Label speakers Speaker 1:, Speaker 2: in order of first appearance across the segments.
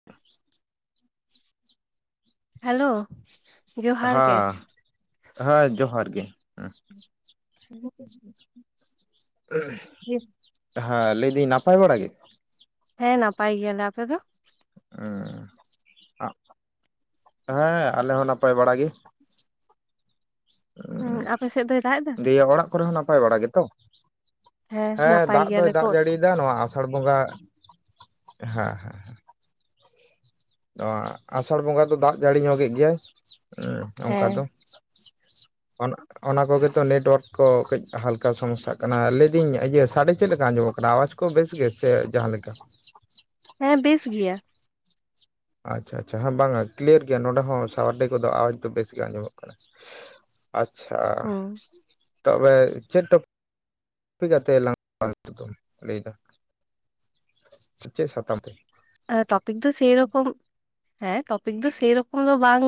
Speaker 1: [unintelligible]
Speaker 2: Hello ᱡᱚᱦᱟᱨ ᱜᱮ
Speaker 1: ᱦᱟᱸ ᱦᱮᱸ ᱡᱚᱦᱟᱨ ᱜᱮ
Speaker 2: [inaudible]
Speaker 1: ᱦᱟᱸ ᱞᱟᱹᱭᱫᱟᱹᱧ ᱱᱟᱯᱟᱭ ᱵᱟᱲᱟ ᱜᱮ
Speaker 2: ᱦᱮᱸ ᱱᱟᱯᱟᱭ ᱜᱮᱭᱟᱞᱮ ᱟᱯᱮ ᱫᱚ
Speaker 1: ᱦᱮᱸ ᱟᱞᱮ ᱦᱚᱸ ᱱᱟᱯᱟᱭ ᱵᱟᱲᱟ ᱜᱮ
Speaker 2: ᱦᱮᱸ ᱟᱯᱮ ᱥᱮᱫ ᱫᱚᱭ ᱫᱟᱜ ᱮᱫᱟ
Speaker 1: ᱚᱲᱟᱜ ᱠᱚᱨᱮ ᱦᱚᱸ ᱱᱟᱯᱟᱭ ᱵᱟᱲᱟ ᱜᱮᱛᱚ ᱦᱮᱸ
Speaker 2: ᱱᱟᱯᱟᱭ
Speaker 1: ᱫᱟᱜ ᱫᱚᱭ
Speaker 2: ᱜᱮᱭᱟᱞᱮ
Speaker 1: ᱫᱟᱜ
Speaker 2: ᱠᱚ
Speaker 1: ᱡᱟᱹᱲᱤ [inaudible] [unintelligible] ᱱᱚᱣᱟ ᱟᱥᱟᱲ ᱵᱚᱸᱜᱟ ᱦᱮᱸ ᱦᱮᱸ ᱱᱚᱣᱟ ᱟᱥᱟᱲ ᱵᱚᱸᱜᱟ ᱫᱚ ᱫᱟᱜ ᱡᱟᱹᱲᱤ ᱧᱚᱜᱮᱜ ᱜᱮᱭᱟᱭ ᱦᱮᱸ ᱚᱱᱠᱟ
Speaker 2: ᱦᱮᱸ
Speaker 1: ᱫᱚ ᱚᱱᱟ ᱚᱱᱟ ᱠᱚᱜᱮ ᱛᱚ ᱱᱮᱴᱚᱣᱟᱨᱠ ᱠᱚ ᱠᱟᱹᱡ ᱦᱟᱞᱠᱟ ᱥᱚᱢᱚᱥᱟᱜ ᱠᱟᱱᱟ ᱞᱟᱹᱭᱮᱫᱟᱹᱧ ᱤᱭᱟᱹ ᱥᱟᱰᱮ ᱪᱮᱫ ᱞᱮᱠᱟ ᱟᱸᱡᱚᱢᱚᱜ ᱠᱟᱱᱟ ᱟᱣᱟᱡᱽ ᱠᱚ ᱵᱮᱥ ᱜᱮ ᱥᱮ ᱡᱟᱦᱟᱸ ᱞᱮᱠᱟ
Speaker 2: ᱦᱮᱸ ᱵᱮᱥ ᱜᱮᱭᱟ
Speaker 1: ᱟᱪᱪᱷᱟ ᱟᱪᱪᱷᱟ ᱦᱮᱸ ᱵᱟᱝᱼᱟ ᱠᱞᱤᱭᱟᱨ ᱜᱮᱭᱟ ᱱᱚᱸᱰᱮ ᱦᱚᱸ ᱥᱟᱣᱟᱨᱰᱮ ᱠᱚᱫᱚ ᱟᱣᱟᱡᱽ ᱫᱚ ᱵᱮᱥ ᱜᱮ ᱟᱸᱡᱚᱢᱚᱜ ᱠᱟᱱᱟ ᱟᱪᱪᱷᱟᱻ
Speaker 2: ᱦᱩᱸ
Speaker 1: ᱛᱚᱵᱮ ᱪᱮᱫ ᱴᱚᱯᱤᱠ ᱠᱟᱛᱮ ᱞᱟᱝ ᱞᱟᱹᱭᱟ ᱪᱮᱫ ᱥᱟᱛᱟᱢ ᱨᱮ
Speaker 2: ᱴᱚᱯᱤᱠ ᱫᱚ ᱥᱮ ᱨᱚᱠᱚᱢ ᱦᱮᱸ ᱴᱚᱯᱤᱠ ᱫᱚ ᱥᱮᱨᱚᱠᱚᱢ ᱫᱚ ᱵᱟᱝ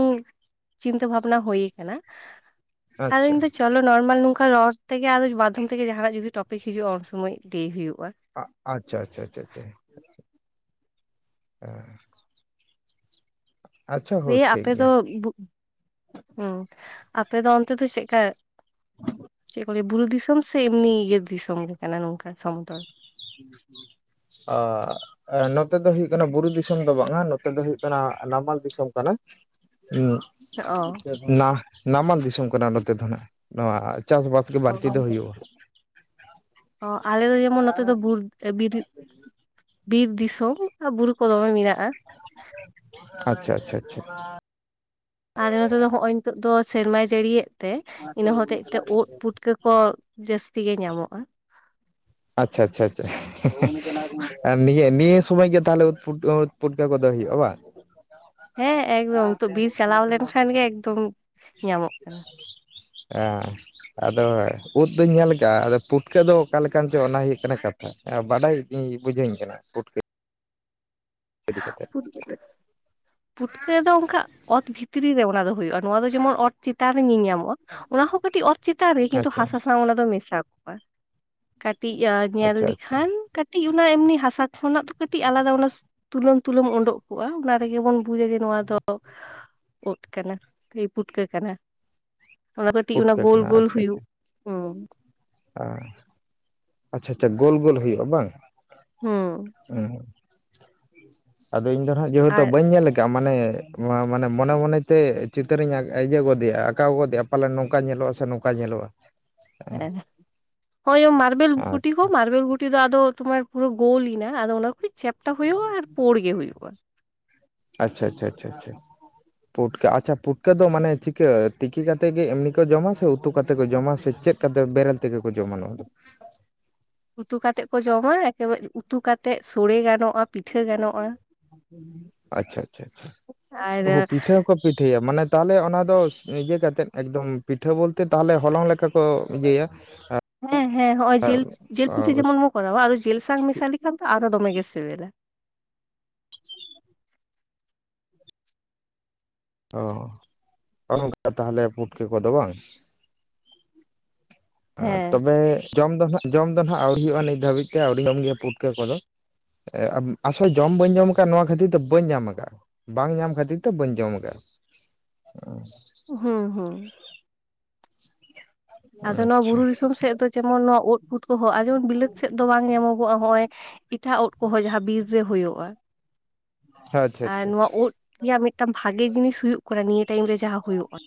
Speaker 2: ᱪᱤᱱᱛᱟᱹ ᱵᱷᱟᱵᱽᱱᱟ ᱦᱩᱭ ᱟᱠᱟᱱᱟ
Speaker 1: ᱟᱪᱪᱷᱟ
Speaker 2: ᱟᱫᱚ [inaudible] ᱪᱚᱞᱚ ᱱᱚᱨᱢᱟᱞ ᱱᱚᱝᱠᱟ ᱨᱚᱲ ᱛᱮᱜᱮ ᱟᱨ ᱢᱟᱫᱷᱚᱢ ᱛᱮᱜᱮ ᱡᱟᱦᱟᱱᱟᱜ ᱡᱩᱫᱤ ᱴᱚᱯᱤᱠ ᱦᱤᱡᱩᱜᱼᱟ ᱩᱱᱥᱚᱢᱚᱭ ᱞᱟᱹᱭ ᱦᱩᱭᱩᱜᱼᱟ
Speaker 1: ᱟᱪᱪᱷᱟ ᱟᱪᱪᱷᱟ ᱦᱮᱸ ᱦᱳᱭ
Speaker 2: ᱫᱤᱭᱮ
Speaker 1: ᱴᱷᱤᱠ
Speaker 2: ᱟᱯᱮ ᱫᱚ
Speaker 1: ᱜᱮᱭᱟ
Speaker 2: ᱦᱮᱸ ᱟᱯᱮ ᱫᱚ ᱚᱱᱛᱮ ᱫᱚ ᱪᱮᱫᱠᱟ ᱪᱮᱫ ᱠᱚ ᱞᱟᱹᱭ ᱵᱩᱨᱩ ᱫᱤᱥᱚᱢ ᱥᱮ ᱮᱢᱱᱤ ᱤᱭᱟᱹ ᱫᱤᱥᱚᱢ ᱜᱮ ᱠᱟᱱᱟ ᱱᱚᱝᱠᱟ ᱥᱚᱢᱚᱛᱚᱞ
Speaker 1: ᱚᱻ ᱱᱚᱛᱮ ᱫᱚ ᱦᱩᱭᱩᱜ ᱠᱟᱱᱟ ᱵᱩᱨᱩ ᱫᱤᱥᱚᱢ ᱫᱚ ᱵᱟᱝᱼᱟ ᱱᱚᱛᱮ ᱫᱚ ᱦᱩᱭᱩᱜ ᱠᱟᱱᱟ ᱱᱟᱢᱟᱞ ᱫᱤᱥᱚᱢ ᱠᱟᱱᱟ
Speaker 2: ᱚ
Speaker 1: ᱱᱟᱢᱟᱞ ᱫᱤᱥᱚᱢ ᱠᱟᱱᱟ ᱱᱚᱛᱮ ᱫᱚ ᱦᱟᱸᱜ ᱱᱚᱣᱟ ᱪᱟᱥᱼᱵᱟᱥ
Speaker 2: ᱚ ᱟᱞᱮ ᱫᱚ ᱡᱮᱢᱚᱱ ᱱᱚᱛᱮ ᱫᱚ ᱵᱤᱨ ᱵᱤᱨ ᱫᱤᱥᱚᱢ ᱟᱨ ᱵᱩᱨᱩ ᱠᱚ ᱫᱚᱢᱮ ᱢᱮᱱᱟᱜᱼᱟ
Speaker 1: ᱟᱪᱪᱷᱟ ᱟᱪᱪᱷᱟ ᱟᱪᱪᱷᱟ
Speaker 2: ᱟᱞᱮ ᱱᱚᱛᱮᱫᱚ ᱦᱚᱜᱼᱚᱭ ᱱᱤᱛᱳ ᱫᱚ ᱥᱮᱨᱢᱟᱭ ᱡᱟᱹᱲᱤᱭᱮᱫ ᱛᱮ ᱤᱱᱟᱹ ᱦᱚᱛᱮᱡ ᱛᱮ ᱩᱫ ᱯᱩᱴᱠᱟᱹ ᱠᱚ ᱡᱟᱹᱥᱛᱤ ᱜᱮ ᱧᱟᱢᱚᱜ-ᱟ᱾
Speaker 1: ᱟᱪᱪᱷᱟ ᱟᱪᱷᱟ ᱪᱟ᱾ ᱦᱮᱸ ᱦᱮᱸ ᱟᱨ ᱱᱤᱭᱟᱹ ᱱᱤᱭᱟᱹ ᱥᱚᱢᱚᱭ ᱜᱮ ᱛᱟᱦᱚᱞᱮ ᱩᱛ ᱯᱩᱴ ᱩᱛ ᱯᱩᱴᱠᱟᱹ ᱠᱚᱫᱚ ᱦᱩᱭᱩᱜ-ᱟ ᱵᱟᱝ?
Speaker 2: ᱦᱮᱸ ᱮᱠᱫᱚᱢ ᱱᱤᱛᱚᱜ ᱵᱤᱨ ᱪᱟᱞᱟᱣ ᱞᱮᱱᱠᱷᱟᱱ ᱜᱮ ᱮᱠᱫᱚᱢ ᱧᱟᱢᱚᱜ ᱠᱟᱱᱟ᱾
Speaker 1: ᱦᱮᱸ ᱟᱫᱚ ᱩᱫ ᱫᱩᱧ ᱧᱮᱞ ᱠᱟᱜ-ᱟ ᱟᱫᱚ ᱯᱩᱴᱠᱟᱹ ᱫᱚ ᱚᱠᱟ ᱞᱮᱠᱼᱼ ᱠᱟᱱ ᱪᱚ ᱚᱱᱟ ᱦᱩᱭᱩᱜ ᱠᱟᱱᱟ ᱠᱟᱛᱷᱟ ᱟᱸ ᱵᱟᱰᱟᱭ ᱜᱤᱸᱭ ᱵᱩᱡᱷᱟᱹᱧ ᱠᱟᱱᱟ ᱯᱩᱴᱠᱟᱹ᱾ ᱤᱫᱤ ᱠᱟᱛᱮᱫ
Speaker 2: [unintelligible] ᱯᱩᱴᱠᱟᱹ ᱫᱚ ᱚᱱᱠᱟ ᱚᱛ ᱵᱷᱤᱛᱨᱤ ᱨᱮ ᱚᱱᱟ ᱫᱚ ᱦᱩᱭᱩᱜ-ᱟ ᱱᱚᱣᱟ ᱫᱚ ᱡᱮᱢᱚᱱ ᱚᱛ ᱪᱮᱛᱟᱱ ᱨᱮ ᱧᱮᱞ ᱧᱟᱢᱚᱜ-ᱟ᱾ ᱚᱱᱟ ᱦᱚᱸ ᱠᱟᱹᱴᱤᱡ ᱚᱛ ᱪᱮᱛᱟᱱ ᱨᱮ ᱠᱤᱱᱛᱩ
Speaker 1: ᱟᱪᱪᱷᱟ
Speaker 2: ᱦᱟᱥᱟ ᱥᱟᱶ ᱚᱱᱟ ᱫᱚ ᱢᱮᱥᱟ ᱠᱚᱜ-ᱟ᱾ ᱠᱟᱹᱴᱤᱡ ᱧᱮᱞ
Speaker 1: ᱟᱪᱪᱷᱟ ᱟᱪᱪᱷᱟ
Speaker 2: ᱞᱮᱠᱷᱟᱱ ᱠᱟᱹᱴᱤᱡ ᱚᱱᱟ ᱮᱢᱱᱤ ᱦᱟᱥᱟ ᱠᱷᱚᱱᱟᱜ ᱫᱚ ᱠᱟᱹᱴᱤᱡ ᱟᱞᱟᱫᱟ ᱚᱱᱟ ᱛᱩᱞᱟᱹᱢᱼᱼ ᱛᱩᱞᱟᱹᱢ ᱚᱰᱚᱸᱠ ᱠᱚᱜ-ᱟ ᱚᱱᱟ ᱨᱮᱜᱮ ᱵᱚᱱ ᱵᱩᱡᱟ ᱡᱮ ᱱᱚᱣᱟ ᱫᱚᱼᱼ ᱩᱫ ᱠᱟᱱᱟ ᱛᱤᱭ ᱯᱩᱴᱠᱟᱹ ᱠᱟᱱᱟ᱾ ᱚᱱᱟ ᱠᱟᱹᱴᱤᱡ ᱚᱱᱟ
Speaker 1: ᱯᱩᱴᱠᱟᱹ
Speaker 2: ᱜᱳᱞ
Speaker 1: ᱠᱟᱱᱟ
Speaker 2: ᱜᱳᱞ ᱦᱩᱭᱩᱜ᱾ ᱦᱩᱸ᱾
Speaker 1: ᱟᱸᱻ ᱟᱪᱪᱷᱟ ᱟᱪᱟ ᱜᱳᱞ ᱜᱳᱞ ᱦᱩᱭᱩᱜ-ᱟ ᱵᱟᱝ?
Speaker 2: ᱦᱩᱸ
Speaker 1: ᱦᱩᱸ [inaudible] ᱟᱫᱚ ᱤᱧ ᱫᱚ ᱱᱟᱦᱟᱸᱜ ᱡᱮᱸᱦᱮᱛᱩ
Speaker 2: ᱟᱨ
Speaker 1: ᱵᱟᱹᱧ ᱧᱮᱞ ᱟᱠᱼᱼ ᱟᱻ ᱢᱟᱱᱮ ᱱᱚᱶᱟ ᱢᱟᱱᱮ ᱢᱚᱱᱮ ᱢᱚᱱᱮ ᱛᱮ ᱪᱤᱱᱛᱟᱹ ᱨᱤᱧ ᱟ ᱟᱹᱭᱟᱹ ᱜᱚᱫᱮᱭᱟ ᱟᱠᱟᱣ ᱜᱚᱫᱮᱭᱟ᱾ ᱯᱟᱞᱮᱱ ᱱᱚᱝᱠᱟ ᱧᱮᱞᱚᱜ-ᱟ ᱥᱮ ᱱᱚᱝᱠᱟ ᱧᱮᱞᱚᱜ-ᱟ᱾
Speaker 2: ᱦᱮᱸ ᱦᱳᱭ ᱢᱟᱨᱵᱮᱞ ᱜᱩᱴᱤ
Speaker 1: ᱟᱪᱪᱷᱟ
Speaker 2: ᱠᱚ ᱢᱟᱨᱵᱮᱞ ᱜᱩᱴᱼᱼ ᱴᱤ ᱫᱚ ᱟᱫᱚ ᱛᱚ ᱢᱟᱱᱮ ᱯᱩᱨᱟᱹ ᱜᱳᱞ ᱞᱤᱱᱟ ᱟᱫᱚ ᱚᱱᱟ ᱠᱚ ᱪᱟᱯᱴᱟ ᱦᱩᱭᱩᱜ-ᱟ ᱟᱨ ᱯᱩᱸᱲ ᱜᱮ ᱦᱩᱭᱩᱜᱼᱟ᱾
Speaker 1: ᱟᱪᱪᱷᱟ ᱟᱪᱪᱷᱟ ᱟᱪᱷᱟ ᱪᱷᱟ᱾ ᱯᱩᱴᱠᱟ ᱟᱪᱪᱷᱟ ᱯᱩᱴᱠᱟᱹ ᱫᱚ ᱢᱟᱱᱮ ᱪᱤᱠᱟᱹ ᱛᱤᱠᱤ ᱠᱟᱛᱮᱜ ᱜᱮ ᱮᱢᱱᱤ ᱠᱚ ᱡᱚᱢᱟ ᱥᱮ ᱩᱛᱩ ᱠᱟᱛᱮᱜ ᱠᱚ ᱡᱚᱢᱟ ᱥᱮ ᱪᱮᱫᱼᱼ ᱠᱟᱛᱮ ᱵᱮᱨᱮᱞ ᱛᱮᱜᱮ ᱠᱚ ᱡᱚᱢᱟ ᱱᱚᱶᱟ ᱫᱚ?
Speaker 2: ᱩᱛᱩ ᱠᱟᱛᱮᱜ ᱠᱚ ᱡᱚᱢᱟ ᱮᱠᱮ ᱵᱟᱨ ᱩᱛᱩ ᱠᱟᱛᱮᱜ ᱥᱚᱲᱮ ᱜᱟᱱᱚᱜ-ᱟ ᱯᱤᱴᱷᱟᱹ ᱜᱟᱱᱚᱜ-ᱟ᱾
Speaker 1: ᱟᱪᱪᱷᱟ ᱟᱪᱪᱷᱟ ᱟᱪᱷᱟ
Speaker 2: ᱟᱨ
Speaker 1: ᱚ ᱯᱤᱴᱷᱟᱹᱼᱼ ᱠᱚ ᱯᱤᱴᱷᱟᱹ ᱭᱟ ᱢᱟᱱᱮ ᱛᱟᱦᱟᱞᱮ ᱚᱱᱟ ᱫᱚ ᱤᱭᱟᱹ ᱠᱟᱛᱮᱜ ᱮᱠᱫᱚᱢ ᱯᱤᱴᱷᱟᱹ ᱵᱚᱞᱛᱮ ᱛᱟᱦᱟᱞᱮ ᱦᱚᱞᱚᱝ ᱞᱮᱠᱟ ᱠᱚ ᱤᱭᱟᱹ ᱭᱟ᱾ [unintelligible] ᱦᱟᱜᱼᱼ
Speaker 2: ᱦᱮᱸ ᱦᱮᱸ ᱦᱚᱸᱜ-ᱚᱭ ᱡᱤᱞ ᱡᱤᱞ ᱯᱤᱴᱷᱟᱹ ᱡᱮᱢᱚᱱ ᱵᱚᱱ ᱠᱚᱨᱟᱣᱟ ᱟᱨᱚ ᱡᱤᱞ ᱥᱟᱝ ᱢᱮᱥᱟ ᱞᱮᱠᱷᱟᱱ ᱫᱚ ᱟᱨᱚ ᱫᱚᱢᱮ ᱜᱮ ᱥᱮᱵᱮᱞᱟ᱾
Speaker 1: ᱚ ᱚᱱ ᱚᱱᱠᱟ ᱛᱟᱦᱟᱞᱮ ᱯᱩᱴᱠᱟᱹ ᱠᱚᱫᱚ ᱵᱟᱝ᱾ ᱟᱸᱨ
Speaker 2: ᱦᱮᱸ
Speaker 1: ᱛᱚᱵᱮ ᱡᱚᱢ ᱫᱚ ᱱᱟᱦᱟᱸᱜ ᱡᱚᱢ ᱫᱚ ᱱᱟᱦᱟᱸᱜ ᱟᱣᱨᱤ ᱦᱩᱭᱩᱜ-ᱟ ᱱᱤᱛ ᱫᱷᱟᱹᱵᱤᱡ ᱛᱮ ᱟᱹᱣᱨᱤ ᱡᱚᱢ ᱜᱮᱭᱟ ᱯᱩᱴᱠᱟᱹ ᱠᱚᱫᱚ᱾ ᱮᱸ ᱟᱢ ᱟᱥᱚᱞ ᱡᱚᱢ ᱵᱟᱹᱧ ᱡᱚᱢ ᱟᱠᱟᱜ ᱱᱚᱣᱟ ᱠᱷᱟᱹᱛᱤᱨ ᱛᱮ ᱵᱟᱹᱧ ᱧᱟᱢ ᱟᱠᱟᱜ-ᱟ᱾ ᱵᱟᱝ ᱧᱟᱢ ᱠᱷᱟᱹᱛᱤᱨ ᱛᱮ ᱵᱟᱹᱧ ᱡᱚᱢ ᱟᱠᱟᱜ-ᱟ,
Speaker 2: ᱦᱩᱸ ᱦᱩᱸ᱾ ᱟᱫᱚ ᱱᱚᱣᱟ
Speaker 1: ᱟᱪᱪᱷᱟ
Speaker 2: ᱵᱩᱨᱩ ᱫᱤᱥᱚᱢ ᱥᱮᱫ ᱫᱚ ᱡᱮᱢᱚᱱ ᱱᱚᱣᱟ ᱩᱫ ᱯᱩᱴᱠᱟᱹ ᱦᱚᱸ ᱟᱡᱚᱢ ᱵᱤᱞᱟᱹᱛ ᱥᱮᱫ ᱫᱚ ᱵᱟᱝ ᱧᱟᱢᱚᱜᱚᱜ-ᱟ ᱦᱚᱸᱜ-ᱚᱭᱼᱼ ᱤᱴᱷᱟᱜ ᱩᱫ ᱠᱚᱦᱚᱸ ᱡᱟᱦᱟᱸ ᱵᱤᱨ ᱨᱮ ᱦᱳᱭᱳᱜ-ᱟ᱾
Speaker 1: ᱟᱪᱪᱷᱟ ᱟᱪᱷᱟ ᱪᱷᱟᱪᱟ᱾
Speaker 2: ᱩᱫ ᱜᱤ ᱦᱟᱸᱜ ᱢᱤᱫᱴᱟᱝ ᱵᱷᱟᱜᱤ ᱡᱤᱱᱤᱥ ᱦᱩᱭᱩᱜ ᱠᱟᱱᱟ ᱱᱤᱭᱟᱹ ᱴᱟᱭᱤᱢ ᱨᱮᱼ ᱡᱟᱦᱟᱸ ᱦᱩᱭᱩᱜ-ᱟ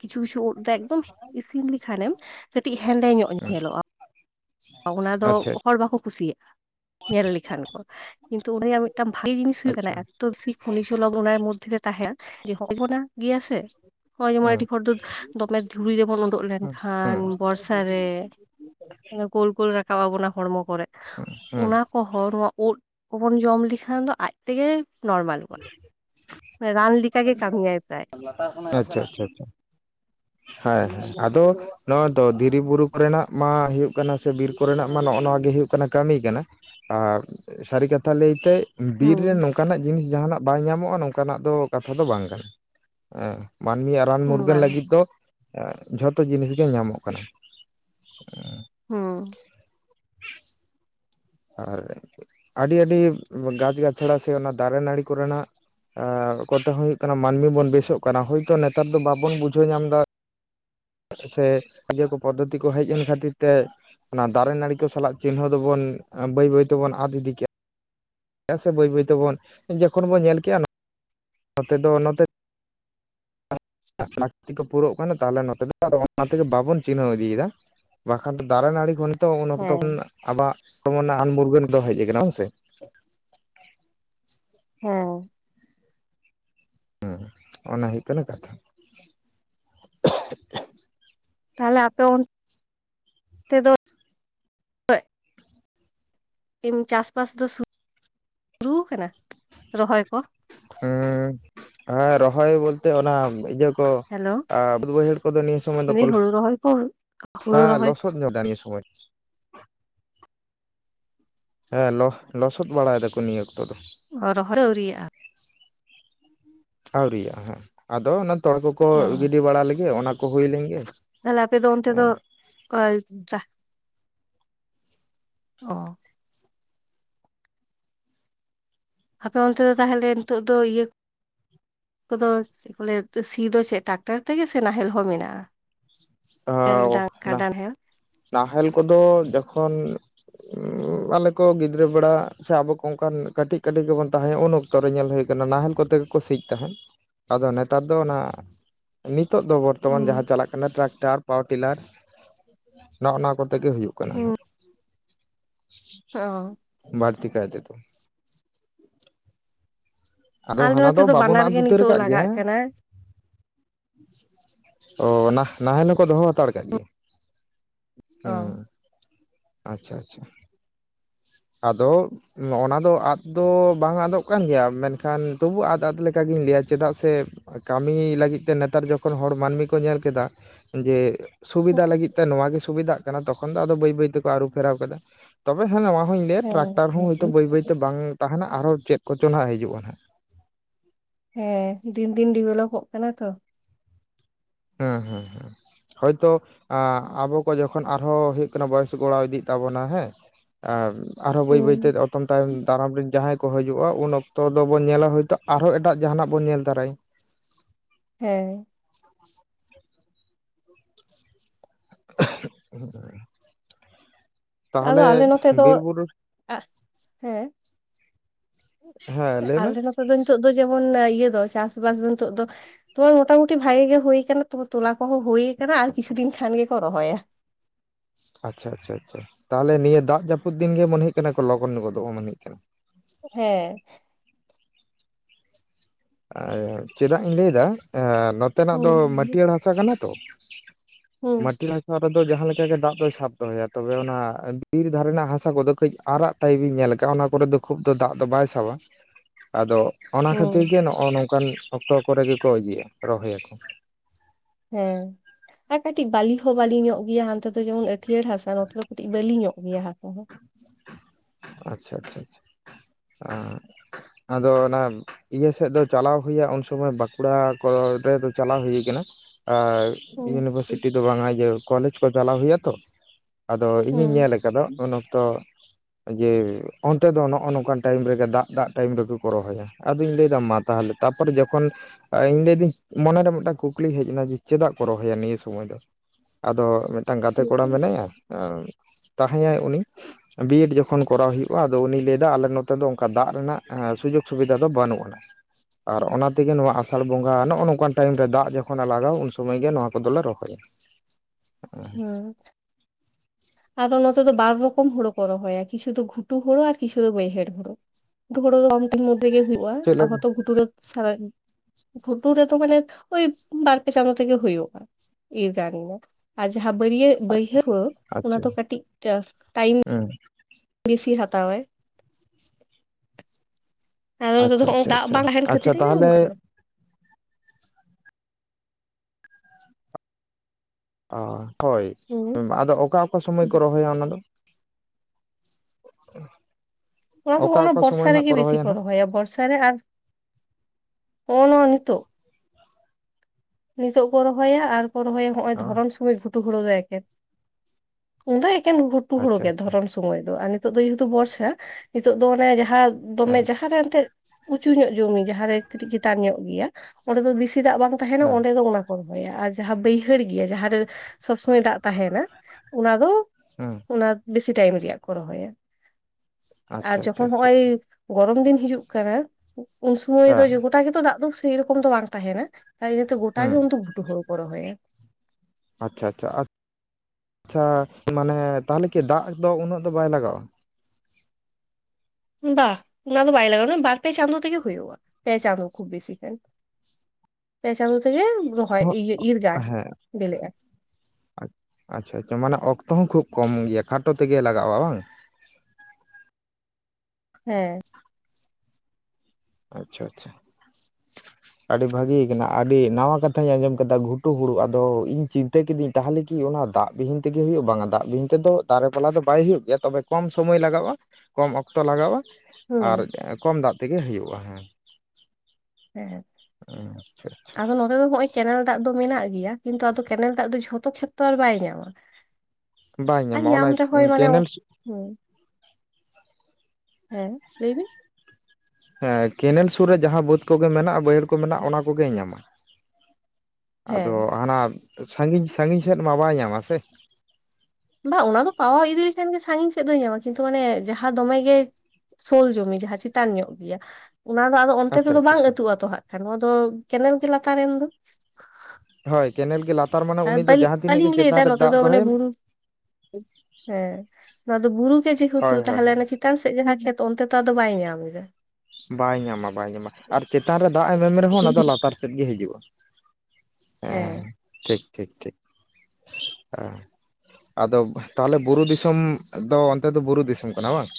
Speaker 2: ᱠᱤᱪᱷᱩ ᱠᱤᱪᱷᱩ ᱩᱫ ᱫᱚ ᱮᱠᱫᱚᱢᱼᱼ ᱤᱥᱤᱱ ᱞᱤᱠᱷᱟᱱᱮᱢ ᱠᱟᱹᱴᱤᱡ ᱦᱮᱸᱫᱮ ᱧᱚᱜ ᱧᱮᱞᱚᱜ-ᱟ᱾ ᱛᱚ ᱚᱱᱟ ᱫᱚ
Speaker 1: ᱟᱪᱪᱷᱟ ᱟᱪᱪᱷᱟ
Speaker 2: ᱦᱚᱲ ᱵᱟᱠᱚ ᱠᱩᱥᱤᱭᱟᱜ-ᱟ᱾ ᱧᱮᱞ ᱞᱤᱠᱷᱟᱱ ᱠᱚ ᱠᱤᱱᱛᱩ ᱩᱱᱤᱭᱟᱜ ᱢᱤᱫᱴᱟᱝ ᱵᱷᱟᱜᱤ ᱡᱤᱱᱤᱥ ᱦᱩᱭᱩᱜ ᱠᱟᱱᱟ
Speaker 1: ᱟᱪᱪᱷᱟ
Speaker 2: ᱮᱠᱼᱼ ᱛᱩᱞᱥᱤ ᱯᱷᱩᱱᱤ ᱥᱚᱞᱚ ᱵᱚᱱᱟᱭ ᱢᱚᱫᱽᱫᱷᱮ ᱨᱮ ᱛᱟᱦᱮᱸᱜ ᱡᱮ ᱦᱚᱸᱜ ᱡᱮ ᱚᱱᱟ ᱜᱤᱭᱟᱹ ᱥᱮ ᱾ ᱱᱚᱜ-ᱚᱭ ᱡᱮᱢᱚᱱ
Speaker 1: ᱦᱮᱸ
Speaker 2: ᱟᱹᱰᱤ ᱦᱚᱲ ᱫᱚ ᱫᱚᱢᱮ ᱫᱷᱩᱲᱤ ᱨᱮᱵᱚᱱ ᱚᱰᱚᱜ ᱞᱮᱱᱠᱷᱟᱱ ᱵᱚᱨᱥᱟ ᱨᱮᱼᱼ ᱮ ᱚᱱᱟ ᱜᱳᱞ ᱜᱳᱞ ᱨᱟᱠᱟᱵ ᱟᱵᱚᱱᱟ ᱦᱚᱲᱢᱚ ᱠᱚᱨᱮ
Speaker 1: ᱦᱮᱸ
Speaker 2: ᱚᱱᱟ ᱠᱚᱼᱼ ᱦᱚᱲ ᱱᱚᱣᱟ ᱩᱫ ᱠᱚᱵᱚᱱ ᱡᱚᱢ ᱞᱮᱠᱷᱟᱱ ᱫᱚ ᱟᱡ ᱛᱮᱜᱮ ᱱᱚᱨᱢᱟᱞᱚᱜ-ᱟ᱾ ᱢᱮ ᱨᱟᱱ ᱞᱤᱠᱼᱼ
Speaker 1: [unintelligible] ᱟᱪᱪᱷᱟ ᱟᱪᱪᱷᱟ [inaudible] ᱪᱷᱟ ᱦᱮᱸ ᱦᱮᱸ ᱟᱫᱚᱼᱼ ᱱᱚᱜ-ᱚᱸᱭ ᱛᱚ ᱫᱤᱨᱤ ᱵᱩᱨᱩ ᱠᱚᱨᱮ ᱱᱟᱜ ᱢᱟ ᱦᱩᱭᱩᱜ ᱠᱟᱱᱟ ᱥᱮ ᱵᱤᱨ ᱠᱚᱨᱮ ᱱᱟᱜ ᱢᱟ ᱱᱚᱜ-ᱚ ᱱᱚᱶᱟ ᱜᱮ ᱦᱩᱭᱩᱜ ᱠᱟᱱᱟ ᱠᱟᱹᱢᱤ ᱠᱟᱱᱟ᱾ ᱟᱨ ᱥᱟᱨᱤ ᱠᱟᱛᱷᱟ ᱞᱟᱹᱭ ᱛᱮᱜᱼᱼ ᱵᱤᱨ ᱨᱮ
Speaker 2: ᱦᱩᱸ
Speaker 1: ᱱᱚᱝᱠᱟ ᱱᱟᱜ ᱡᱤᱱᱤᱥ ᱡᱟᱦᱟᱸ ᱱᱟᱜ ᱵᱟᱭ ᱧᱟᱢᱚᱜ-ᱟ ᱱᱚᱝᱠᱟ ᱱᱟᱜ ᱫᱚᱼᱼ ᱠᱟᱛᱷᱟ ᱫᱚ ᱵᱟᱝ ᱠᱟᱱᱟ ᱦᱮᱸ ᱢᱟᱹᱱᱢᱤᱭᱟᱜ ᱨᱟᱱ ᱢᱩᱨᱜᱟᱹᱱ
Speaker 2: ᱵᱟᱝ
Speaker 1: ᱞᱟᱹᱜᱤᱫ ᱫᱚ᱾ ᱡᱷᱚᱛᱚ ᱡᱤᱱᱤᱥ ᱜᱮ ᱧᱟᱢᱚᱜ ᱠᱟᱱᱟ᱾
Speaker 2: ᱦᱮᱸ
Speaker 1: ᱟᱨ ᱟᱹᱰᱤ ᱟᱹᱰᱤ ᱜᱟᱪ ᱜᱟᱪᱲᱟ ᱥᱮ ᱚᱱᱟ ᱫᱟᱨᱮ ᱱᱟᱹᱲᱤ ᱠᱚᱨᱮᱱᱟᱜ ᱠᱚᱛᱮ ᱦᱚᱸᱳᱭᱳᱜ ᱠᱟᱱᱟ ᱢᱟᱹᱱᱢᱤ ᱵᱚᱱ ᱵᱮᱥᱚᱜ ᱠᱟᱱᱟ ᱦᱚᱳᱭᱛᱚ ᱱᱮᱛᱟᱨ ᱫᱚ ᱵᱟᱵᱚᱱ ᱵᱩᱡᱷᱟᱹᱣ ᱧᱟᱢᱫᱟ᱾ ᱥᱮ ᱱᱤᱭᱟᱹ ᱠᱚ ᱯᱚᱫᱽᱫᱷᱚᱛᱤ ᱠᱚ ᱦᱮᱡ ᱮᱱ ᱠᱷᱟᱹᱛᱤᱨ ᱛᱮ ᱚᱱᱟ ᱫᱟᱨᱮ ᱱᱟᱹᱲᱤ ᱠᱚ ᱥᱟᱞᱟᱜ ᱪᱤᱱᱦᱟᱹ ᱫᱚᱵᱚᱱ ᱵᱟᱹᱭ ᱵᱟᱹᱭ ᱛᱮᱵᱚᱱ ᱟᱫ ᱤᱫᱤ ᱠᱮᱜᱼᱟ᱾ ᱪᱮᱫᱟᱜᱼᱥᱮ ᱵᱟᱹᱭ ᱵᱟᱹᱭ ᱛᱮᱵᱚᱱ ᱡᱚᱠᱷᱚᱱ ᱵᱚᱱ ᱧᱮᱞ ᱠᱮᱜᱼᱟ, ᱱᱚᱛ ᱫᱚ ᱱᱚ ᱞᱟᱹᱠᱛᱤ ᱠᱚ ᱯᱩᱨᱟᱹᱜ ᱠᱟᱱᱟ ᱛᱟᱦᱚᱞᱮ ᱱᱚᱛᱮ ᱫᱚ ᱟᱫᱚ ᱚᱱᱟ ᱛᱮᱜᱮ ᱵᱟᱵᱚᱱ ᱪᱤᱱᱦᱟᱹᱣ ᱤᱫᱤᱭᱮᱫᱟ᱾ ᱵᱟᱠᱷᱟᱱ ᱫᱚ ᱫᱟᱨᱮ ᱱᱟᱹᱲᱤ ᱠᱷᱚᱱ ᱜᱤᱛᱚ ᱩᱱ ᱚᱠᱛᱚ ᱠᱷᱚᱱ
Speaker 2: ᱦᱮᱸ
Speaker 1: ᱟᱵᱚᱣᱟᱜ ᱠᱚ ᱢᱮᱱᱟ ᱨᱟᱱ ᱢᱩᱨᱜᱟᱹᱱ ᱫᱚ ᱦᱮᱡ ᱠᱟᱱᱟ ᱦᱚᱭ ᱥᱮ᱾
Speaker 2: ᱦᱮᱸ
Speaker 1: ᱚᱱᱟ ᱦᱩᱭᱩᱜ ᱠᱟᱱᱟ ᱠᱟᱛᱷᱟ
Speaker 2: ᱛᱟᱦᱚᱞᱮ ᱟᱯᱮ ᱩᱱ ᱛᱮᱫᱚ ᱮᱢ ᱪᱟᱥ ᱵᱟᱥ ᱫᱚ ᱥᱩᱨᱩ ᱟᱠᱟᱱᱟ ᱨᱚᱦᱚᱭ ᱠᱚ?
Speaker 1: ᱦᱮᱸ ᱦᱮᱸ ᱨᱚᱦᱚᱭ ᱵᱚᱞᱛᱮ ᱚᱱᱟ ᱤᱭᱟᱹ ᱠᱚ
Speaker 2: ᱦᱮᱞᱳ
Speaker 1: ᱵᱟᱹᱭᱦᱟᱹᱲ ᱠᱚᱫᱚ ᱱᱤᱭᱟᱹ ᱥᱚᱢᱚᱭ ᱫᱚ᱾
Speaker 2: ᱢᱮᱱᱫᱟᱹᱧ ᱦᱩᱲᱩ ᱨᱚᱦᱚᱭ ᱠᱚ ᱦᱩᱲᱩ
Speaker 1: ᱦᱮᱸ
Speaker 2: ᱨᱚᱦᱚᱭ
Speaker 1: ᱞᱚᱥᱚᱫ ᱧᱚ ᱫᱤᱭᱟᱹ ᱱᱤᱛ ᱥᱚᱢᱚᱭ ᱾ ᱦᱮᱸ ᱞᱚ ᱞᱚᱥᱚᱫ ᱵᱟᱲᱟᱭ ᱫᱟᱠᱚ ᱱᱤᱭᱟᱹ ᱚᱠᱛᱚ ᱫᱚ᱾
Speaker 2: ᱨᱚᱦᱚᱭ ᱫᱚ ᱟᱹᱣ ᱨᱤᱭᱟᱜᱼᱟ,
Speaker 1: ᱟᱹᱣᱨᱤᱭᱟᱜᱼᱟ ᱦᱟᱸ᱾ ᱟᱫᱚ ᱚᱱᱟ ᱛᱚᱲ ᱠᱚᱠᱚ
Speaker 2: ᱚ
Speaker 1: ᱜᱤᱰᱤ ᱵᱟᱲᱟ ᱞᱮᱜᱮ ᱚᱱᱟ ᱠᱚ ᱦᱩᱭ ᱞᱮᱱ ᱜᱮ ᱦᱮᱸ᱾
Speaker 2: ᱚᱭ ᱡᱟ ᱚ ᱟᱯᱮ ᱚᱱᱛᱮ ᱫᱚ ᱛᱟᱦᱚᱞᱮ ᱱᱤᱛᱚᱜ ᱫᱚ ᱤᱭᱟᱹ ᱠᱚᱫᱚ ᱪᱮᱫ ᱠᱚ ᱞᱮᱭᱟ ᱥᱤ ᱫᱚ ᱪᱮᱫ ᱴᱨᱟᱠᱴᱟᱨ ᱛᱮᱜᱮ ᱥᱮ ᱱᱟᱦᱮᱞ ᱦᱚᱸ ᱢᱮᱱᱟᱜᱼᱟ? ᱦᱮᱞ ᱰᱟ ᱠᱟᱰᱟ ᱱᱟᱦᱮᱞ
Speaker 1: ᱱᱟᱦᱮᱞ ᱠᱚᱫᱚ ᱡᱚᱠᱷᱚᱱ ᱟᱞᱮ ᱠᱚ ᱜᱤᱫᱽᱨᱟᱹ ᱵᱮᱲᱟ ᱥᱮ ᱟᱵᱚ ᱠᱚ ᱚᱱᱠᱟᱱ ᱠᱟᱹᱴᱤᱡ ᱠᱟᱹᱴᱤᱡ ᱜᱮᱵᱚᱱ ᱛᱟᱦᱮᱸᱱᱟ ᱩᱱᱚᱠ ᱛᱚ ᱨᱮ ᱧᱮᱞ ᱫᱚ ᱦᱩᱭᱩᱜ ᱠᱟᱱᱟ ᱱᱟᱦᱮᱞ ᱠᱚᱛᱮ ᱜᱮᱠᱚ ᱥᱤᱡ ᱛᱟᱦᱮᱸᱱ, ᱟᱫᱚ ᱱᱮᱛᱟᱨ ᱫᱚ ᱚᱱᱟ ᱱᱤᱛᱚᱜ ᱫᱚ ᱵᱚᱨᱛᱚᱢᱟᱱ
Speaker 2: ᱦᱩᱸ
Speaker 1: ᱡᱟᱦᱟᱸ ᱪᱟᱞᱟᱜ ᱠᱟᱱᱟ ᱴᱨᱟᱠᱴᱟᱨ, ᱯᱟᱣᱟᱨ ᱴᱤᱞᱟᱨ ᱱᱚᱜᱼᱚ ᱱᱟ ᱠᱚᱛᱮ ᱜᱮ ᱦᱩᱭᱩᱜ ᱠᱟᱱᱟ ᱦᱟᱸᱜ᱾
Speaker 2: ᱚᱸ
Speaker 1: ᱵᱟᱲᱛᱤ ᱠᱟᱹᱭ ᱛᱮᱫᱚ᱾ ᱟᱫᱚ
Speaker 2: ᱟᱞᱮ
Speaker 1: ᱦᱟᱱᱟ
Speaker 2: ᱱᱚᱛᱮ
Speaker 1: ᱫᱚ ᱵᱟᱵᱚᱱ
Speaker 2: ᱵᱟᱱᱟᱨ
Speaker 1: ᱟᱫ
Speaker 2: ᱜᱮ
Speaker 1: ᱩᱛᱟᱹᱨ
Speaker 2: ᱱᱤᱛᱚᱜ
Speaker 1: ᱠᱫ
Speaker 2: ᱞᱟᱜᱟᱜ
Speaker 1: ᱜᱮᱭᱟᱮᱸ᱾
Speaker 2: ᱠᱟᱱᱟ
Speaker 1: ᱚ ᱱᱟᱦ ᱱᱟᱦᱮᱞ ᱦᱚᱸᱠᱚ ᱫᱚᱦᱚ ᱦᱟᱛᱟᱲ ᱠᱟᱜ ᱜᱮᱭᱟ?
Speaker 2: ᱚ
Speaker 1: ᱟᱪᱷᱟ ᱟᱪᱷᱟ ᱟᱫᱚ ᱚᱱᱟ ᱫᱚ ᱟᱫ ᱫᱚ ᱵᱟᱝ ᱟᱫᱚᱜ ᱠᱟᱱ ᱜᱮᱭᱟ ᱢᱮᱱᱠᱷᱟᱱ ᱛᱚᱵᱩ ᱟᱫ ᱟᱫ ᱞᱮᱠ ᱜᱤᱧ ᱞᱟᱹᱭᱟ ᱪᱮᱫᱟᱜ ᱥᱮ ᱠᱟᱹᱢᱤ ᱞᱟᱹᱜᱤᱫ ᱛᱮ ᱱᱮᱛᱟᱨ ᱡᱚᱠᱷᱚᱱ ᱦᱚᱲ ᱢᱟᱹᱱᱢᱤ ᱠᱚ ᱧᱮᱞ ᱠᱮᱫᱟ ᱡᱮ ᱥᱩᱵᱤᱫᱷᱟ ᱞᱟᱹᱜᱤᱫ ᱛᱮ ᱱᱚᱣᱟ ᱜᱮ ᱥᱩᱵᱤᱫᱷᱟᱜ ᱠᱟᱱᱟ ᱛᱚᱠᱷᱚᱱ ᱫᱚ ᱟᱫᱚ ᱵᱟᱹᱭ ᱵᱟᱹᱭ ᱛᱮᱠᱚ ᱟᱹᱨᱩ ᱯᱷᱮᱨᱟᱣ ᱠᱮᱫᱟ ᱛᱚᱵᱮ ᱦᱮᱸ ᱱᱚᱣᱟ ᱦᱚᱸᱧ
Speaker 2: ᱦᱮᱸ
Speaker 1: ᱴᱨᱟᱠᱴᱟᱨ ᱦᱚᱸ ᱦᱳᱭᱛᱳ ᱵᱟᱹᱭ ᱵᱟᱹᱭᱛᱮ ᱵᱟᱝ ᱛᱟᱦᱮᱱᱟ ᱟᱨᱦᱚᱸ ᱪᱮᱫ ᱠᱚᱪᱚᱝ ᱱᱟᱦᱟᱜ ᱦᱤᱡᱩᱜᱼᱟ ᱱᱟᱦᱟᱸᱜ᱾
Speaker 2: ᱦᱮᱸ ᱫᱤᱱ ᱫᱤᱱ ᱰᱮᱵᱷᱮᱞᱚᱯᱚᱜ ᱠᱟᱱᱟ ᱛᱚ᱾
Speaker 1: ᱦᱮᱸ ᱦᱮᱸ ᱦᱮᱸ ᱦᱳᱭᱛᱚ ᱟᱵᱚ ᱠᱚ ᱡᱚᱠᱷᱚᱱ ᱟᱨᱦᱚᱸ ᱦᱩᱭᱩᱜ ᱠᱟᱱᱟ ᱵᱚᱭᱚᱥ ᱜᱚᱲᱟᱣ ᱤᱫᱤᱜ ᱛᱟᱵᱚᱱᱟ ᱦᱮᱸ, ᱮᱸ ᱟᱨᱦᱚᱸ ᱵᱟᱹᱭ ᱵᱟᱹᱭ
Speaker 2: ᱦᱩᱸ
Speaker 1: ᱛᱮ ᱚᱛᱚᱢ ᱛᱟᱭᱚᱢ ᱫᱟᱨᱟᱢᱨᱮ ᱡᱟᱦᱟᱸᱭ ᱠᱚ ᱦᱤᱡᱩᱜᱼᱟ ᱩᱱ ᱚᱠᱛᱚ ᱫᱚᱵᱚᱱ ᱧᱮᱞᱟ ᱦᱳᱭᱛᱳ ᱟᱨᱦᱚᱸ ᱮᱴᱟᱜ ᱡᱟᱦᱟᱱᱟᱜ ᱵᱚᱱ ᱧᱮᱞ ᱫᱟᱨᱟᱭᱟ᱾
Speaker 2: ᱦᱮᱸ
Speaker 1: ᱛᱟᱦᱚᱞᱮ ᱵᱤᱨ ᱵᱩᱨᱩ
Speaker 2: ᱟᱜ ᱦᱮᱸ
Speaker 1: ᱦᱮᱸ ᱞᱟᱹᱭ ᱢᱮ᱾
Speaker 2: ᱟᱫᱚ ᱱᱤᱛᱚᱜ ᱫᱚ ᱡᱮᱢᱚᱱ ᱤᱭᱟᱹ ᱫᱚ ᱪᱟᱥᱵᱟᱥ ᱱᱤᱛᱚᱜ ᱫᱚ, [unintelligible] ᱢᱚᱴᱟᱢᱩᱴᱤ ᱵᱷᱟᱜᱮ ᱜᱮ ᱦᱩᱭ ᱠᱟᱱᱟ ᱛᱚᱵᱮ ᱛᱚᱞᱟ ᱠᱚᱦᱚᱸ ᱦᱩᱭ ᱠᱟᱱᱟ ᱟᱨ ᱠᱤᱪᱷᱩ ᱫᱤᱱ ᱠᱷᱟᱱ ᱜᱮᱠᱚ ᱨᱚᱦᱚᱭᱟ᱾
Speaker 1: ᱟᱪᱪᱷᱟ ᱟᱪᱪᱷᱟ ᱟᱪᱪᱷᱟ ᱛᱟᱦᱚᱞᱮ ᱱᱤᱭᱟᱹ ᱫᱟᱜ ᱡᱟᱹᱯᱩᱫ ᱫᱤᱱ ᱜᱮ ᱢᱚᱱᱮ ᱦᱩᱭᱩᱜ ᱠᱟᱱᱟ ᱠᱚ ᱞᱚᱜᱚᱱ ᱜᱚᱫᱚᱜ ᱠᱟᱱᱟ ᱢᱚᱱᱮᱜ ᱠᱟᱱ
Speaker 2: ᱦᱮᱸ
Speaker 1: ᱟ ᱪᱮᱫᱟᱜ ᱤᱧ ᱞᱟᱹᱭ ᱫᱟ ᱱᱚᱛᱮ ᱱᱟᱜ ᱫᱚ
Speaker 2: ᱦᱩᱸ
Speaker 1: ᱢᱟᱹᱴᱭᱟᱹᱲ ᱦᱟᱥᱟ ᱠᱟᱱᱟ ᱛᱚ,
Speaker 2: ᱦᱩᱸ
Speaker 1: ᱢᱟᱹᱴᱭᱟᱹᱲ ᱱᱚᱣᱟ ᱨᱮᱫᱚ ᱡᱟᱦᱟᱸ ᱞᱮᱠᱟ ᱜᱮ ᱫᱟᱜ ᱫᱚᱭ ᱥᱟᱵ ᱫᱚᱦᱚᱭᱟ ᱛᱚᱵᱮ ᱚᱱᱟ ᱵᱤᱨ ᱫᱷᱟᱨᱮ ᱨᱮᱱᱟᱜ ᱦᱟᱥᱟ ᱠᱚᱫᱚ ᱠᱟᱹᱡ ᱟᱨᱟᱜ ᱴᱟᱭᱤᱯ ᱤᱧ ᱧᱮᱞ ᱠᱟᱜᱼᱟ ᱚᱱᱟ ᱠᱚᱨᱮ ᱫᱚ ᱠᱷᱩᱵ ᱫᱚ ᱫᱟᱜ ᱫᱚ ᱵᱟᱭ ᱥᱟᱵᱟ᱾ ᱟᱫᱚ ᱚᱱᱟ
Speaker 2: ᱦᱩᱸ
Speaker 1: ᱠᱷᱟᱹᱛᱤᱨ ᱜᱮ ᱱᱚᱜᱼᱚ ᱱᱚᱝᱠᱟᱱ ᱚᱠᱛᱚ ᱠᱚᱨᱮ ᱜᱮᱠᱚ ᱤᱭᱟᱹᱭᱟ ᱨᱚᱦᱚᱭᱟ ᱠᱚ᱾
Speaker 2: ᱦᱮᱸ ᱟ ᱠᱟᱹᱴᱤᱡ ᱵᱟᱹᱞᱤ ᱦᱚᱸ ᱵᱟᱹᱞᱤ ᱧᱚᱜ ᱜᱮᱭᱟ ᱦᱟᱱᱛᱮ ᱫᱚ ᱡᱮᱢᱚᱱ ᱟᱴᱷᱭᱟᱹᱲ ᱦᱟᱥᱟ ᱱᱚᱛᱮ ᱫᱚ ᱠᱟᱹᱴᱤᱡ ᱵᱟᱹᱞᱤ ᱧᱚᱜ ᱜᱮᱭᱟ ᱦᱟᱥᱟ ᱦᱚᱸ᱾
Speaker 1: ᱟᱪᱪᱷᱟ ᱟᱪᱪᱷᱟ ᱪᱷᱟ ᱟᱫᱚ ᱚᱱᱟ ᱤᱭᱟᱹ ᱥᱮᱫ ᱫᱚ ᱪᱟᱞᱟᱣ ᱦᱩᱭᱩᱜᱼᱟ ᱩᱱ ᱥᱚᱢᱚᱭ ᱵᱟᱸᱠᱩᱲᱟ ᱠᱚ ᱨᱮᱫᱚ ᱪᱟᱞᱟᱣ ᱦᱩᱭ ᱠᱟᱱᱟ᱾ ᱟᱨ
Speaker 2: ᱦᱩᱸ
Speaker 1: ᱤᱭᱩᱱᱤᱵᱷᱟᱨᱥᱤᱴᱤ ᱫᱚ ᱵᱟᱝ-ᱟ ᱤᱭᱟᱹ ᱠᱚᱞᱮᱡᱽ ᱠᱚ ᱪᱟᱞᱟᱣ ᱦᱩᱭᱩ ᱟᱛᱚ ᱟᱫᱚ ᱤᱧ ᱦᱩᱸᱡ
Speaker 2: ᱦᱩᱸ
Speaker 1: ᱧᱮᱞ ᱠᱟᱫᱟ ᱩᱱ ᱚᱠᱛᱚ ᱡᱮ ᱚᱱᱛᱮ ᱫᱚ ᱱᱚᱜᱼᱚ ᱱᱚᱝᱠᱟᱱ ᱴᱟᱭᱤᱢ ᱨᱮᱜᱮ ᱫᱟᱜ ᱫᱟᱜ ᱴᱟᱭᱤᱢ ᱨᱮᱜᱮ ᱠᱚ ᱨᱚᱦᱚᱭᱟ ᱟᱫᱚᱧ ᱞᱟᱹᱭ ᱫᱟ ᱢᱟ ᱛᱟᱦᱚᱞᱮ ᱛᱟᱨᱯᱚᱨᱮ ᱡᱚᱠᱷᱚᱱ ᱟ ᱤᱧ ᱞᱟᱹᱭ ᱫᱟᱹᱧ ᱢᱚᱱᱮᱨᱮ ᱢᱤᱫᱴᱟᱝ ᱠᱩᱠᱞᱤ ᱦᱮᱡ ᱮᱱᱟ ᱡᱮ ᱪᱮᱫᱟᱜ ᱠᱚ ᱨᱚᱦᱚᱭᱟ ᱱᱤᱭᱟᱹ ᱥᱚᱢᱚᱭ ᱫᱚ ᱟᱫᱚ ᱢᱤᱫᱴᱟᱝ ᱜᱟᱛᱮ ᱠᱚᱲᱟ ᱢᱮᱱᱟᱭᱟ ᱛᱟᱦᱮᱸᱭᱟᱭ ᱩᱱᱤ ᱵᱤ ᱮᱰ ᱡᱚᱠᱷᱚᱱ ᱠᱷᱚᱱ ᱠᱚᱨᱟᱣ ᱦᱩᱭᱩᱜᱼᱟ ᱟᱫᱚ ᱩᱱᱤ ᱞᱟᱹᱭ ᱫᱟ ᱟᱞᱮ ᱱᱚᱛᱮ ᱫᱚ ᱚᱱᱠᱟ ᱫᱟᱜ ᱨᱮᱱᱟᱜ ᱥᱩᱡᱳᱜᱽ ᱥᱩᱵᱤᱫᱷᱟ ᱫᱚ ᱵᱟᱹᱱᱩᱜ ᱟᱱᱟ ᱟᱨ ᱚᱱᱟ ᱛᱮᱜᱮ ᱱᱚᱣᱟ ᱟᱥᱟᱲ ᱵᱚᱸᱜᱟ ᱱᱚᱜᱼᱚ ᱱᱚᱝᱠᱟᱱ ᱴᱟᱭᱤᱢ ᱨᱮ ᱫᱟᱜ ᱡᱚᱠᱷᱚᱱᱮ ᱞᱟᱜᱟᱣᱟ ᱩᱱ ᱥᱚᱢᱚᱭ ᱜᱮ ᱱᱚᱣᱟ ᱠᱚᱫᱚᱞᱮ ᱨᱚᱦᱚᱭᱟ [inaudible]
Speaker 2: ᱦᱩᱸ ᱟᱨᱚ ᱱᱚᱛᱮ ᱫᱚ ᱵᱟᱨ ᱨᱚᱠᱚᱢ ᱦᱳᱲᱳ ᱠᱚ ᱨᱚᱦᱚᱭᱟ ᱠᱤᱪᱷᱩ ᱫᱚ ᱜᱩᱴᱩ ᱦᱳᱲᱳ ᱟᱨ ᱠᱤᱪᱷᱩ ᱫᱚ ᱵᱟᱹᱭᱦᱟᱹᱲ ᱦᱳᱲᱳ ᱦᱳᱲᱳ [unintelligible] ᱛᱤᱱ ᱢᱚᱫᱽᱫᱷᱮ ᱜᱮ ᱦᱩᱭᱩᱜᱼᱟ
Speaker 1: ᱪᱮᱫ ᱞᱮᱠᱟ
Speaker 2: ᱛᱟᱦᱚᱛᱚ ᱜᱷᱩᱴᱩᱨᱮ ᱥᱟᱨᱟ ᱵᱷᱩᱴᱩ ᱨᱮᱛᱚ ᱢᱟᱱᱮ ᱳᱭ ᱵᱟᱨ ᱯᱮ ᱪᱟᱸᱫᱳ ᱛᱮᱜᱮ ᱦᱩᱭᱩᱜᱼᱟ ᱤᱨ ᱠᱷᱟᱱ ᱫᱚ ᱟᱨ ᱡᱟᱦᱟᱸ ᱵᱟᱹᱨᱭᱟᱹ ᱵᱟᱹᱭᱦᱟᱹ ᱦᱳᱲᱳ ᱚᱱᱟ
Speaker 1: ᱟᱪᱪᱷᱟ
Speaker 2: ᱫᱚ ᱠᱟᱹᱴᱤᱡ ᱴᱟᱭᱤᱢ
Speaker 1: ᱦᱩᱸ ‌‌
Speaker 2: ᱵᱮᱥᱤ ᱦᱟᱛᱟᱣᱟᱭ ᱟᱫᱚ
Speaker 1: ᱟᱪᱪᱷᱟ
Speaker 2: ᱱᱳᱛᱮ
Speaker 1: ᱟᱪᱪᱷᱟ
Speaker 2: ᱫᱟᱜ
Speaker 1: ᱟᱪᱪᱷᱟ
Speaker 2: ᱵᱟᱝ ᱛᱟᱦᱮᱸᱱ ᱠᱷᱟᱹᱛᱤᱨ
Speaker 1: ᱟᱪᱪᱷᱟ
Speaker 2: ᱛᱮᱜᱮ
Speaker 1: ᱛᱟᱦᱚᱞᱮ
Speaker 2: ᱚᱱᱠᱟ ᱫᱚ
Speaker 1: ᱚ ᱦᱳᱭ
Speaker 2: ᱦᱩᱸ
Speaker 1: ᱟᱫᱚ ᱚᱠᱟ ᱚᱠᱟ ᱥᱚᱢᱚᱭ ᱠᱚ ᱨᱚᱦᱚᱭᱟ ᱚᱱᱟ ᱫᱚ [inaudible]
Speaker 2: ᱚᱱᱟ ᱫᱚ
Speaker 1: ᱚᱠᱟ
Speaker 2: ᱦᱚᱸᱜ-ᱱᱟ
Speaker 1: ᱚᱠᱟ ᱥᱚᱢᱚᱭ
Speaker 2: ᱵᱚᱨᱥᱟ
Speaker 1: ᱱᱟᱜ
Speaker 2: ᱨᱮᱜᱮ ᱵᱤᱥᱤ ᱠᱚ
Speaker 1: ᱱᱟᱜ
Speaker 2: ᱨᱚᱦᱚᱭᱟ ᱵᱚᱨᱥᱟ ᱨᱮ ᱟᱨ ᱦᱚᱸᱜᱼ ᱱᱚᱣᱟ ᱱᱤᱛᱚᱜ ᱱᱤᱛᱚᱜ ᱠᱚ ᱨᱚᱦᱚᱭᱟ ᱟᱨ ᱠᱚ ᱨᱚᱦᱚᱭᱟ ᱦᱚᱸᱜᱼᱚᱭ
Speaker 1: ᱚ
Speaker 2: ᱫᱷᱚᱨᱚᱢ ᱥᱚᱢᱚᱭ ᱵᱷᱩᱨ ᱜᱷᱩᱴᱩ ᱦᱳᱲᱳ ᱫᱚ ᱮᱠᱮᱱ ᱩᱱ ᱫᱚ ᱮᱠᱮᱱ ᱜᱷᱩᱴᱩ ᱦᱳᱲᱳ
Speaker 1: ᱟᱪᱪᱷᱟ
Speaker 2: ᱜᱮ
Speaker 1: ᱟᱪᱪᱷᱟ
Speaker 2: ᱫᱷᱚᱨᱚᱢ ᱥᱚᱢᱚᱭ ᱫᱚ ᱟᱨ ᱱᱤᱛᱚᱜ ᱫᱚ ᱡᱮᱦᱮᱛᱩ ᱵᱚᱨᱥᱟ ᱱᱤᱛᱚᱜ ᱫᱚ ᱚᱱᱮ ᱡᱟᱦᱟᱸ ᱫᱚᱢᱮ
Speaker 1: ᱦᱮᱸ
Speaker 2: ᱡᱟᱦᱟᱸ ᱨᱮ ᱮᱱᱛᱮᱫ ᱩᱸᱪᱩ ᱧᱚᱜ ᱡᱚᱢᱤ ᱡᱟᱦᱟᱸ ᱨᱮ ᱠᱟᱹᱴᱤᱡ ᱪᱮᱛᱟᱱ ᱧᱚᱜ ᱜᱮᱭᱟ ᱚᱸᱰᱮ ᱫᱚ ᱵᱤᱥᱤ ᱫᱟᱜ ᱵᱟᱝ ᱛᱟᱦᱮᱱᱟ
Speaker 1: ᱦᱩᱸ
Speaker 2: ᱚᱸᱰᱮ ᱫᱚ ᱚᱱᱟ ᱨᱚᱦᱚᱭᱟ ᱟᱨ ᱡᱟᱦᱟᱸ ᱵᱟᱹᱭᱦᱟᱹᱲ ᱜᱮᱭᱟ ᱡᱟᱦᱟᱸ ᱨᱮ ᱥᱚᱵᱽ ᱥᱚᱢᱚᱭ ᱫᱟᱜ ᱛᱟᱦᱮᱸᱱᱟ ᱚᱱᱟ ᱫᱚ
Speaker 1: ᱦᱩᱸ
Speaker 2: ᱚᱱᱟ ᱵᱮᱥᱤ ᱴᱟᱭᱤᱢ ᱨᱮᱭᱟᱜ ᱠᱚ ᱨᱚᱦᱚᱭᱟ
Speaker 1: ᱟᱪᱪᱷᱟ
Speaker 2: ᱟᱨ
Speaker 1: ᱟᱪᱪᱷᱟ
Speaker 2: ᱡᱚᱠᱷᱚᱱ
Speaker 1: ᱟᱪᱪᱷᱟ
Speaker 2: ᱦᱚᱸᱜ-ᱚᱭ ᱜᱚᱨᱚᱢ ᱫᱤᱱ ᱦᱤᱡᱩᱜ ᱠᱟᱱᱟ ᱩᱱ ᱥᱚᱢᱚᱭ ᱫᱚ
Speaker 1: ᱦᱮᱸ
Speaker 2: ᱜᱚᱴᱟ ᱜᱮᱛᱚ ᱫᱟᱜ ᱫᱚ ᱥᱮ ᱨᱚᱠᱚᱢ ᱫᱚ ᱵᱟᱝ ᱛᱟᱦᱮᱸᱱᱟ ᱛᱟᱭ ᱤᱱᱟᱹ ᱛᱮ ᱜᱚᱴᱟ ᱜᱮ
Speaker 1: ᱦᱩᱸ
Speaker 2: ᱩᱱᱫᱚ ᱜᱷᱩᱴᱩ ᱦᱳᱲᱳ ᱠᱚ ᱨᱚᱦᱚᱭᱟ
Speaker 1: ᱟᱪᱪᱷᱟ ᱟᱪᱪᱷᱟ ᱪᱷᱟ ᱢᱟᱱᱮ ᱛᱟᱦᱚᱞᱮ ᱠᱤ ᱫᱟᱜ ᱫᱚ ᱩᱱᱟᱹᱜ ᱫᱚ ᱵᱟᱭ ᱞᱟᱜᱟᱼᱟ
Speaker 2: ᱵᱟ ᱚᱱᱟ ᱫᱚ ᱵᱟᱭ ᱞᱟᱜᱟᱜ ᱚᱱᱟ ᱵᱟᱨ ᱯᱮ ᱪᱟᱸᱫᱳ ᱛᱮᱜᱮ ᱦᱩᱭᱩᱜᱼᱟ ᱯᱮ ᱪᱟᱸᱫᱳ ᱠᱷᱩᱵ ᱵᱮᱥᱤ ᱠᱷᱟᱱ ᱯᱮ ᱪᱟᱸᱫᱳ ᱛᱮᱜᱮ ᱨᱚᱦᱚᱭ ᱤᱭᱟᱹ ᱤᱨ ᱜᱟᱱ
Speaker 1: ᱦᱮᱸ
Speaker 2: ᱵᱮᱞᱮᱼᱟ
Speaker 1: ᱟᱪᱪᱷᱟ ᱟᱪᱪᱷᱟ ᱢᱟᱱᱮ ᱚᱠᱛᱚ ᱦᱚᱸ ᱠᱷᱩᱵ ᱠᱚᱢ ᱜᱮᱭᱟ ᱠᱷᱟᱴᱚ ᱛᱮᱜᱮ ᱞᱟᱜᱟᱜᱼᱟ ᱵᱟᱝ
Speaker 2: ᱦᱮᱸ
Speaker 1: ᱟᱪᱪᱷᱟ ᱟᱪᱪᱷᱟ ᱟᱹᱰᱤ ᱵᱷᱟᱹᱜᱤ ᱟᱠᱟᱱᱟ ᱟᱹᱰᱤ ᱱᱟᱣᱟ ᱠᱟᱛᱷᱟᱧ ᱟᱸᱡᱚᱢ ᱠᱮᱫᱟ ᱜᱷᱩᱴᱩ ᱦᱩᱲᱩ ᱟᱫᱚ ᱤᱧ ᱪᱤᱱᱛᱟᱹ ᱠᱤᱫᱤᱧ ᱛᱟᱦᱚᱞᱮ ᱠᱤ ᱚᱱᱟ ᱫᱟᱜ ᱵᱤᱦᱤᱱ ᱛᱮᱜᱮ ᱦᱩᱭᱩᱜ ᱵᱟᱝᱟ ᱫᱟᱜ ᱵᱤᱦᱤᱱ ᱛᱮᱫᱚ ᱫᱟᱨᱮ ᱵᱟᱞᱟ ᱫᱚ ᱵᱟᱭ ᱦᱩᱭᱩᱜ ᱜᱮᱭᱟ ᱛᱚᱵᱮ ᱠᱚᱢ ᱥᱚᱢᱚᱭ ᱞᱟᱜᱟᱜᱼᱟ ᱠᱚᱢ ᱚᱠᱛᱚ ᱞᱟᱜᱟᱜᱼᱟ ᱟᱨ
Speaker 2: ᱦᱩᱸ
Speaker 1: ᱠᱚᱢ ᱫᱟᱜ ᱛᱮᱜᱮ ᱦᱩᱭᱩᱜᱼᱟ ᱦᱮᱸ
Speaker 2: ᱦᱮᱸ
Speaker 1: ᱟᱪᱪᱷᱟ ᱟᱪᱪᱷᱟ
Speaker 2: ᱟᱫᱚ ᱱᱚᱸᱰᱮ ᱫᱚ ᱦᱚᱭᱚᱭ ᱠᱮᱱᱮᱞ ᱫᱟᱜ ᱫᱚ ᱢᱮᱱᱟᱜ ᱜᱮᱭᱟ ᱠᱤᱱᱛᱩ ᱟᱫᱚ ᱠᱮᱱᱮᱞ ᱫᱟᱜ ᱫᱚ ᱡᱷᱚᱛᱚ ᱠᱷᱮᱛ ᱛᱚ ᱟᱨ ᱵᱟᱭ ᱧᱟᱢᱟ
Speaker 1: ᱵᱟᱭ
Speaker 2: ᱟᱨ
Speaker 1: ᱧᱟᱢᱟ ᱚᱱᱟ
Speaker 2: ᱧᱟᱢ ᱨᱮᱦᱚᱭ ᱢᱟᱱᱮ
Speaker 1: ᱠᱮᱱᱮᱞ ᱥᱩ-
Speaker 2: ᱦᱩᱸ ᱦᱮᱸ ᱞᱟᱹᱭ ᱵᱤᱱ
Speaker 1: ᱦᱮᱸ ᱠᱮᱱᱮᱞ ᱥᱩᱨ ᱨᱮ ᱡᱟᱦᱟᱸ ᱵᱟᱹᱫᱽ ᱠᱚᱜᱮ ᱢᱮᱱᱟᱜᱼᱟ ᱵᱟᱹᱭᱦᱟᱹᱲ ᱠᱚ ᱢᱮᱱᱟᱜᱼᱟ ᱚᱱᱟ ᱠᱚᱜᱮ ᱧᱟᱢᱟ
Speaker 2: ᱦᱮᱸ
Speaker 1: ᱟᱫᱚ ᱦᱟᱱᱟ ᱥᱟᱺᱜᱤᱧ ᱥᱟᱺᱜᱤᱧ ᱥᱮᱫ ᱢᱟ ᱵᱟᱭ ᱧᱟᱢᱟ ᱥᱮ
Speaker 2: ᱵᱟᱝ ᱚᱱᱟ ᱫᱚ ᱯᱟᱣᱟ ᱤᱫᱤ ᱞᱮᱠᱷᱟᱱ ᱜᱮ ᱥᱟᱺᱜᱤᱧ ᱥᱮᱫ ᱫᱚᱭ ᱧᱟᱢᱟ ᱠᱤᱱᱛᱩ ᱢᱟᱱᱮ ᱡᱟᱦᱟᱸ ᱫᱚᱢᱮ ᱜᱮ ᱥᱳᱞ ᱡᱩᱢᱤ ᱡᱟᱦᱟᱸ ᱪᱮᱛᱟᱱ ᱧᱚᱜ ᱜᱮᱭᱟ ᱚᱱᱟ ᱫᱚ ᱟᱫᱚ ᱚᱱᱛᱮ
Speaker 1: ᱟᱪᱪᱷᱟ
Speaker 2: ᱛᱮᱫᱚ
Speaker 1: ᱟᱪᱪᱷᱟ
Speaker 2: ᱵᱟᱝ
Speaker 1: ᱟᱪᱪᱷᱟ᱾
Speaker 2: ᱟᱹᱛᱩᱜᱼᱟ ᱛᱚ ᱦᱟᱸᱟᱜ ᱠᱷᱟᱱ ᱱᱚᱣᱟ ᱫᱚ ᱠᱮᱱᱮᱞ ᱜᱮ ᱞᱟᱛᱟᱨ ᱨᱮᱱ ᱫᱚ
Speaker 1: ᱦᱚᱭ ᱠᱮᱱᱮᱞ ᱜᱮ ᱞᱟ
Speaker 2: ᱟᱨ ᱵᱟᱹᱞᱤᱧ ᱞᱟᱹᱭᱫᱟ ᱱᱚᱛᱮ ᱫᱚ ᱢᱟᱱᱮ
Speaker 1: ᱫᱚᱦᱚᱭᱮᱢ
Speaker 2: ᱵᱩᱨᱩ ᱦᱮᱸ ᱱᱚᱣᱟ ᱫᱚ ᱵᱩᱨᱩ ᱜᱮ ᱡᱮᱦᱮᱛᱩ
Speaker 1: ᱦᱳᱭ ᱦᱳᱭ
Speaker 2: ᱛᱟᱦᱞᱮ
Speaker 1: ᱦᱳᱭ
Speaker 2: ᱪᱮᱛᱟᱱ ᱥᱮᱫ ᱡᱟᱦᱟᱸ ᱠᱷᱮᱛ ᱚᱱᱛᱮ ᱛᱚ ᱟᱫᱚ ᱵᱟᱭ ᱧᱟᱢ ᱮᱫᱟ
Speaker 1: ᱵᱟᱭ ᱧᱟᱢᱟ ᱵᱟᱭ ᱧᱟᱢᱟ ᱟᱨ ᱪᱮᱛᱟᱱ ᱨᱮ ᱫᱟᱜ ᱮ ᱧᱟᱢ ᱨᱮᱦᱚᱸ ᱚᱱᱟ ᱫᱚ ᱞᱟᱛᱟᱨ ᱥᱮᱫ ᱜᱮ ᱦᱤᱡᱩᱜᱼᱟ [inaudible]
Speaker 2: ᱦᱮᱸ
Speaker 1: ᱴᱷᱤᱠ ᱴᱷᱤᱠ ᱴᱷᱤᱠ ᱟ ᱟᱫᱚ ᱛᱟᱦᱞᱮ ᱵᱩᱨᱩ ᱫᱤᱥᱚᱢ ᱫᱚ ᱚᱱᱛᱮ ᱫᱚ ᱵᱩᱨᱩ ᱫᱤᱥᱚᱢ ᱠᱟᱱᱟ ᱵᱟᱝ?